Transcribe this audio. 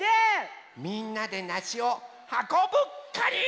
みんなでなしをはこぶカニ！